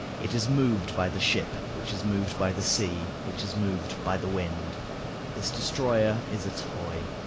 It is moved by the ship, which is moved by the sea, which is moved by the wind. This destroyer is a toy.